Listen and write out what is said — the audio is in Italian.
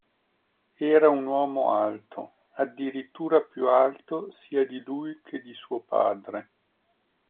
Era un uomo alto, addirittura più alto sia di lui che di suo padre.